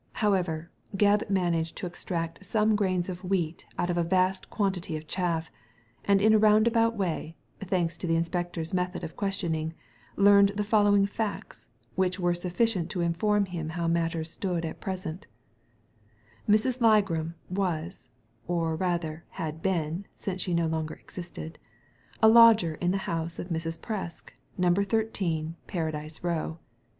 However, Gebb managed to extract some grains of wheat out of a vast quantity of chaff, and in a roundabout way — thanks to the in spector's method of questioning — learned the following facts, which were sufficient to inform him how matters stood at present Miss Ligram was — or rather, had been, since she no longer existed — a lodger in the house of Mrs. Presk, No. 13, Paradise Row.